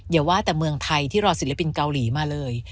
อย่าว่าแต่เมืองไทยที่รอศิลปินเกาหลีมาเลย